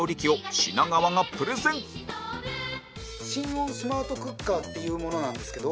品川：芯温スマートクッカーっていうものなんですけど。